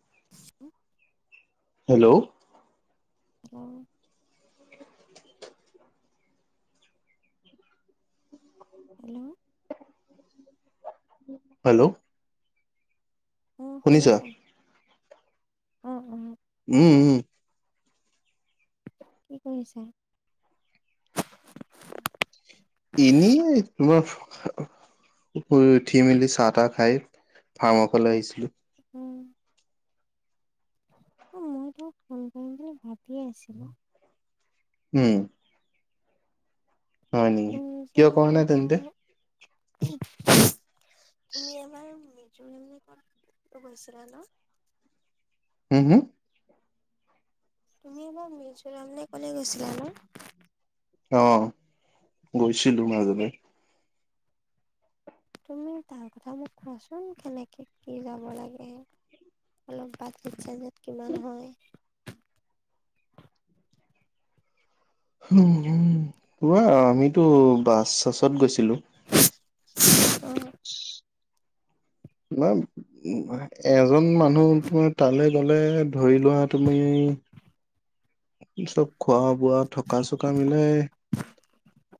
[inaudible] Hello, অ। Hello hello শুনিছা? উম, উম। উম, উম। কি কৰিছা? এনেই তোমাৰ শুই উঠি মেলি চাহ তাহ খাই ফাৰ্মৰ ফালে আহিছিলো। অ মই তোমাক ফোন কৰিম বুলি ভাবিয়ে আছিলোঁ। উম। হয় নেকি? তুমি যে কিয় কৰা নাই তেন্তে? এবাৰ তুমি এবাৰ [unintelligible] গৈছিলা ন? হুম হুম? তুমি এবাৰ মিজোৰাম নে কলে গৈছিলা ন? অ গৈছিলো মাজুলী। তুমি তাৰ কথা মোক কোৱাচোন। কেনেকে কি যাব লাগে? অলপ বাজেট চাজেত কিমান হয়? [inaudible] উ উ পৰা আমিতো বাছ চাছত গৈছি ছিলো। অঁ ন উ এজন মানুহ তোমাৰ তালে কলে ধৰি লোৱা তুমি চব খোৱা বোৱা থকা চকা মিলাই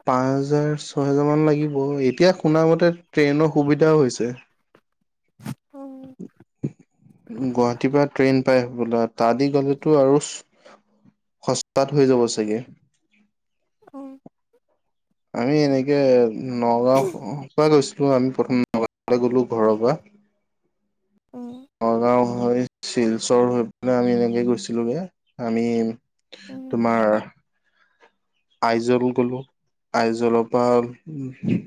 পাঁচ হেজাৰ, ছয় হেজাৰ মান লাগিব। এতিয়া শুনা মতে ট্ৰেইনৰ সুবিধাও হৈছে। [inaudible] অঁ গুৱাহাটীৰ পৰা ট্ৰেইন পাই বোলে। তা দি গ'লেতো আৰু সস্তাত হৈ যাব চাগে। উম। আমি এনেকে নগাও পৰা গৈছিলো। আমি প্ৰথম নগ গলো ঘৰৰ পৰা। অঁ নগাঁও হৈ চিলচৰ হৈ পাই আমি এনেকে গৈছিলোগে আমি তোমাৰ আইজল গলো, আইজলৰ পৰা উ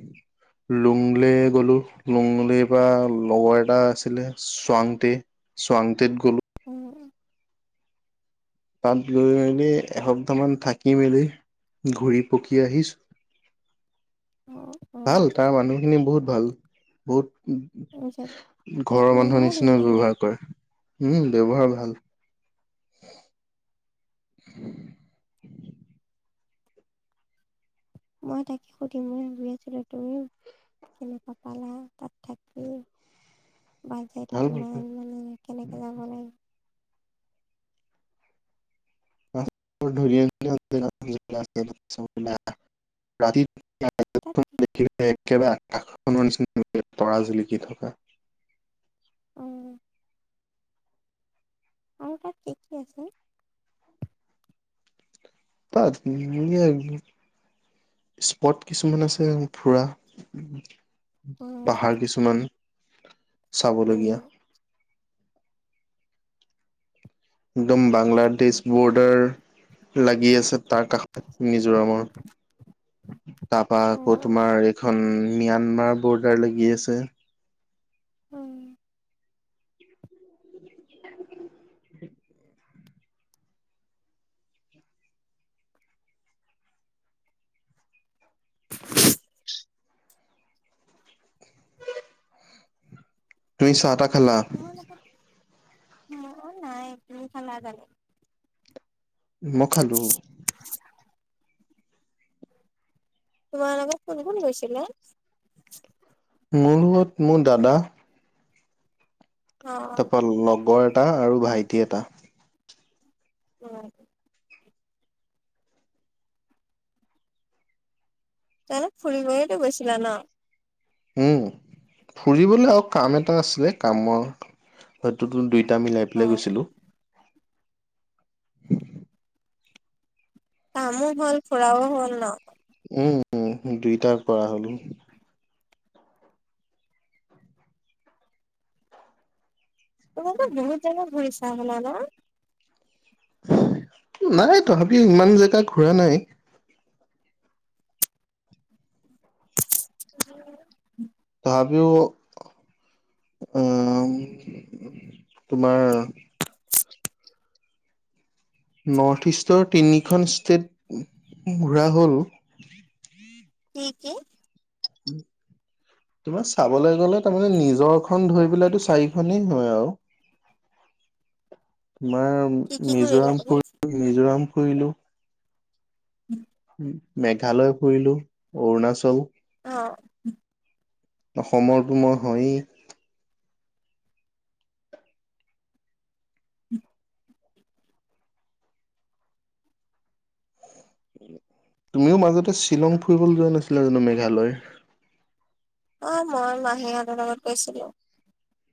লুংলে গলো। লুংলে পৰা লগৰ এটা আছিলে চোৱাংতে চোৱাংতেত গ'ল উম। তাত গৈ মেলি এসপ্তাহ মান থাকি মেলি ঘূৰি পকি আহিছো। অঁ অঁ ভাল, তাৰ মানুহখিনি বহুত ভাল। অঁ বহুত ঘৰৰ মানুহৰ জেগাও নিচিনা ধুনীয়া ন ব্যৱহাৰ কৰে। উম ব্যৱহাৰ ভাল। [inaudible] [inaudible] মই তাকে সুধিম বুলি ভাবি আছিলো। তুমিও কেনেকুৱা পালা তাত থাকি বাজেট ভাল কিমান মানে কেনেকে যাব লাগে। ধৰি ৰাতি তাত কে [unintelligible] তৰা জিলিকি থকা উম। আৰু তাত কি-কি আছে? তাত এক স্পট কিছুমান আছে ফুৰা অ পাহাৰ কিছুমান উম চাবলগীয়া একদম বাংলাদেশ বৰ্ডাৰ লাগি আছে। তাৰ কাষত মিজোৰামৰ তাৰপা অ আকৌ তোমাৰ এইখন। ম্যানমাৰ বৰ্ডাৰ লাগি আছে। উম তুনিশ আটা ম নাই তমি খালাে। ম খালো। তোমাৰ লগোকত কোন কোন গৈছিল? মোৰ লগত মোৰ দাদা। অ তাৰপা লগৰ এটা আৰু ভাইটি এটা। উম। তনেক ফৰি গতে গৈছিলা ন। উম ফুৰিবলে আৰু কাম এটা আছিলে কামৰ হয়তো দুই এ আমি লাই অ পেলাই গৈছিলো। কামো হ'ল ফুৰাও হ'ল ন। উম উ দুইটাৰ পৰা হলো। তমি বহুত জাগা ঘূৰিছা আ ন [unintelligible] নাই তথাপিও ইমান জেগা ঘুৰা নাই [inaudible] আমিও। আহ তোমাৰ নৰ্থ ইষ্টৰ তিনিখন ষ্টেট ঘূৰা হ'ল কি কি? উম তোমাক চাবলৈ গ'লে তাৰমানে নিজৰখন ধৰি পেলাইতো চাৰিখনেই হয় আৰু তোমাৰ কি কি ঘূৰিলা মিজোৰাম তুমি ফুৰি মিজোৰাম ফুৰিলো [inaudible] মেঘালয় ফুৰিলো অৰুণাচল অ অসমৰতো মই হয়েই তুমিও মাজতে শ্বিলং ফুৰিবলৈ যোৱা নাছিলা জানো মেঘালয় অ মই মাহীহঁতৰ লগত গৈছিলো।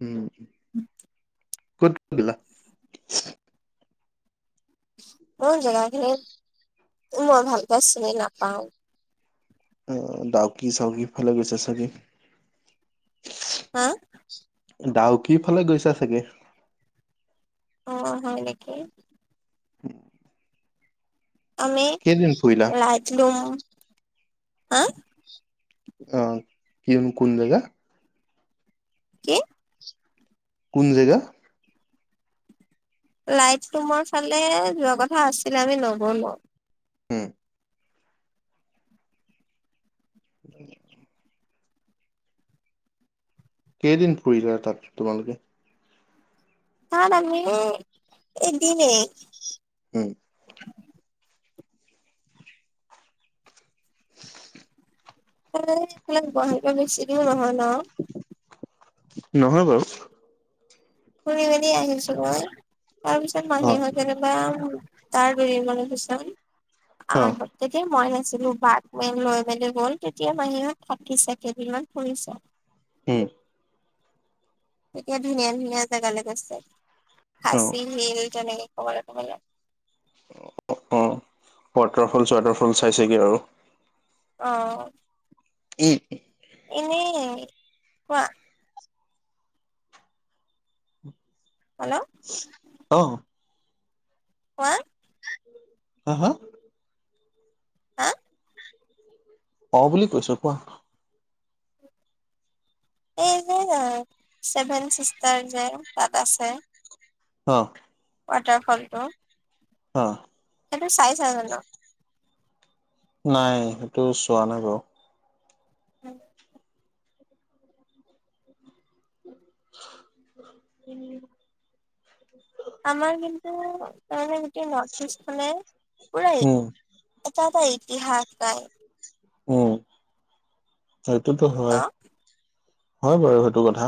উম [inaudible] কত ফুৰিলা। মোৰ জেগাখিনি মই ভালকে চিনি নাপাওঁ। অ ডাউকি চাওকি ফালক গৈছে চাগে। হা ডাউ কি ফালে গৈছা চাগে অ হয় নেকি। আমি কেইদিন ফুৰিলা ৰাজলোম হা। আহ কিন কোন জাগা? কি? কোন জেগা? লাইট ৰুমৰ ফালে যোৱা কথা আছিল আমি নগলো। হম [unintelligible] কেইদিন ফুৰিলে তাত তোমালোকে? তাত আমি এদিনেই। উম'। [unintelligible] পৰা বেছি দূৰ নহয় ন? নহয় বাৰু। ফুৰি মেলি আহিছো মই। তাৰ পিছত অ মাহীহত যেনিবা তাৰ দুদিন মানৰ পিছত, অ আৰম্ভ। তেতিয়া মই [unintelligible] ছিলো [unintelligible] লৈ মেলি গ'ল, তেতিয়া বাহিৰত থাকিছে কেইদিনমান ফুৰিছে। উম'। এতিয়া ধুনীয়া-ধুনীয়া জেগালৈ গৈছে। অ খাচী হিল তেনে [unintelligible] অ', ৱাটাৰফলছ-ৱাটাৰফল চাইছেগে আৰু। অ'। উম'-উম'। এনেই, কোৱা? হেল্ল' অহ? ক [unintelligible] হা-হা? হা? অ', বুলি কৈছো, কোৱা? এই যে ছেভেন চিষ্টাৰ যে, তাত আছে। অ'। ৱাটাৰফলটো। অ'। সেইটো চাইছা জানো? নাই সেইটো চোৱা নাই বাৰু। উম'। উম'। আমাৰ কিন্তু তাৰমানে গোটেই নৰ্থ ইষ্ট খনে পুৰা উম এটা-এটা ইতিহাস পাই। উম', সেটোতো ন হয়। হয় বাৰু সেইটো কথা।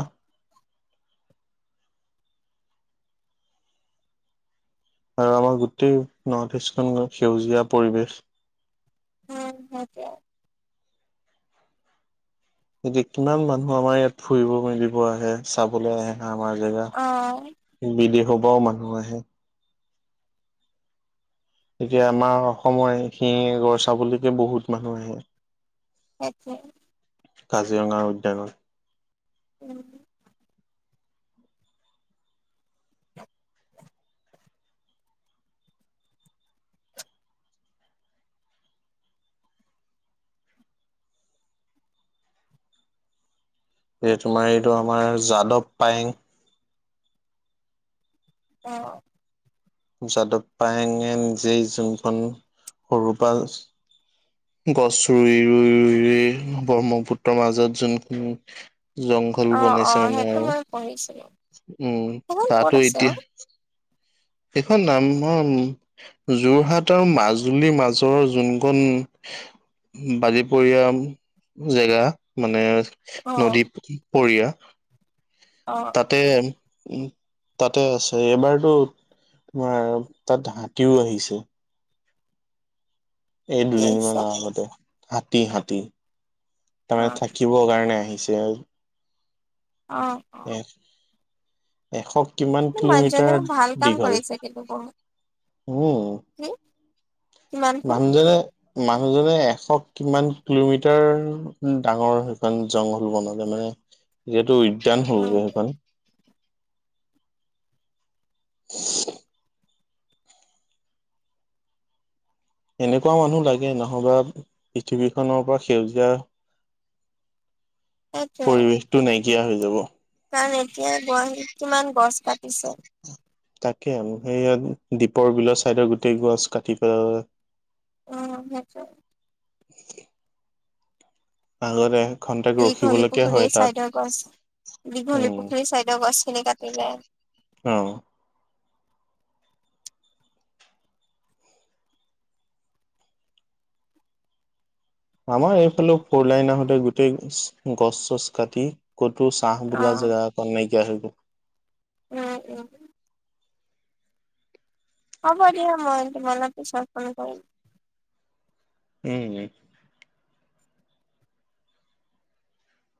আৰু আমাৰ গোটেই নৰ্থ ইষ্টখন সেউজীয়া পৰিৱেশ। উম', সেইটোৱে। এতিয়া কিমান মানুহ আমাৰ ইয়াত ফুৰিব মেলিব আহে, চাবলৈ আহে। আমাৰ জেগা, অ বিদেশৰ পৰাও মানুহ আহে। এতিয়া আমাৰ অসমৰ এশিঙীয়া গঁড় চাবলৈকে বহুত মানুহ আহে। আচ্ছা্। কাজিৰঙাৰ উদ্যানত। উম'। এই তোমাৰ এইটো আমাৰ যাদৱ পায়ং। অ'। যাদৱ পায়ঙে নিজেই যোনখন সৰু পৰা গছ ৰুই-ৰুই-ৰুই-ৰুই ব্ৰহ্মপুত্ৰৰ মাজত যোনখিনি জংঘল অ অ বনাইছে মানে সেইটো আৰু। মই পঢ়িছিলো উম সেইখন ক'ত তাতো আছে অ এতিয়া সেইখন নাম যোৰহাট আৰু মাজুলীৰ মাজৰৰ যোনখন বালিপৰীয়া জেগা মানে অ নদী পৰিয়া। অ তাতে [unintelligible] তাতে আছে এবাৰতো তোমাৰ তাত হাতীওঁ আহিছে। এই কি দুদিনমান আহিছে আগতে হাতী, হাতী। অ তাৰমানে থাকিব কাৰণে আহিছে। আৰু অ অ এক এশ। কিমান কিলোমিটাৰ মানুহজনেও ভাল কাম দীঘল কৰিছে কিন্তু বহুত উম কি কিমানবোৰ মানুহজনে মাক মানুহজনে এশ কিমান কিলোমিটাৰ ডাঙৰ, সেইখন জংঘল বনালে মানে যিহেতু উদ্যান উম হ'লগৈ সেইখন [unintelligible] এনেকুৱা মানুহ লাগে, নহবা পৃথিৱীখনৰ পৰা সেউজীয়া সেইটোৱে পৰিৱেশটো নাইকিয়া হৈ যাব। কাৰণ এতিয়া গুৱাহাটীত কিমান গছ কাটিছে। তাকে আৰু সেইয় দ্বীপৰ বিলৰ চাইডৰ গোটেই গছ কাটি পেলালে। উম সেইটো [unintelligible] আগতে এঘন্টাক দিঘলী ৰখিবলৈকে হয় পুখুৰীৰ তাত ছাইডৰ গছ, দীঘলী উম পুখুৰীৰ চাইডে গছখিনি কাটিলে। অঁ আমাৰ এইফালে ফুৰ লাইন, আহোতে গোটেই গছ চছ কাটি ক'তি ছাহ অ বোলা জেগাকণ নাইকিয়া হৈ গ'ল। উম উম। হ'ব দিয়া মই তোমালে পিছত ফোন কৰিম। উম উম।